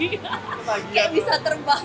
kayak bisa terbang gitu ya kan